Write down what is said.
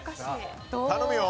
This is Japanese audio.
頼むよ！